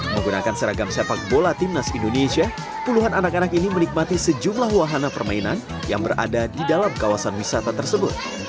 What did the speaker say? menggunakan seragam sepak bola timnas indonesia puluhan anak anak ini menikmati sejumlah wahana permainan yang berada di dalam kawasan wisata tersebut